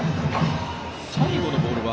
最後のボールは。